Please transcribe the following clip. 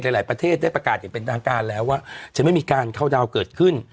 หลายประเทศได้ประกาศอย่างเป็นทางการแล้วว่าจะไม่มีการเข้าดาวน์เกิดขึ้น